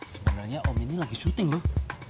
sebenarnya om ini lagi syuting loh